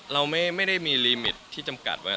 เราไม่ได้มีลีมิตที่จำกัดว่า